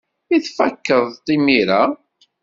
I tfakeḍ-t imir-a?